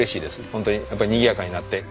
ホントにやっぱにぎやかになって。